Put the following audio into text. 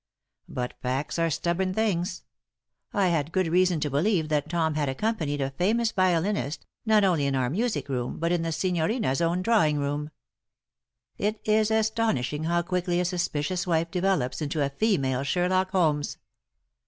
But facts are stubborn things. I had good reason to believe that Tom had accompanied a famous violiniste, not only in our music room but in the signorina's own drawing room. It is astonishing how quickly a suspicious wife develops into a female Sherlock Holmes!